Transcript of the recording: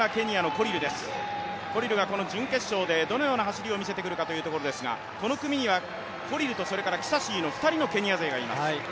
コリルが準決勝でどのような走りを見せてくるかですがこの組にはコリルとキサシーの２人のケニア勢がいます。